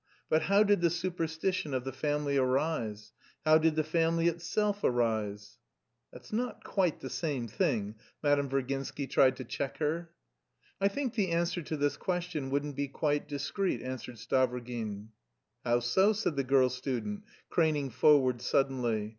But how did the superstition of the family arise? How did the family itself arise?" "That's not quite the same thing...." Madame Virginsky tried to check her. "I think the answer to this question wouldn't be quite discreet," answered Stavrogin. "How so?" said the girl student, craning forward suddenly.